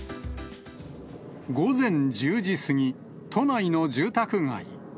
午前１０時過ぎ、都内の住宅街。